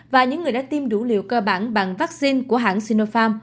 và những người đã tiêm đủ liều cơ bản bằng vaccine của hãng sinopharm